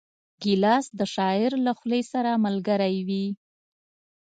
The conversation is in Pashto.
ګیلاس د شاعر له خولې سره ملګری وي.